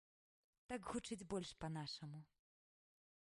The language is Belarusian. Так гучыць больш па-нашаму.